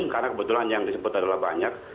karena kebetulan yang disebut adalah banyak